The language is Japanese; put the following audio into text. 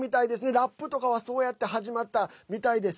ラップとかはそう始まったみたいです。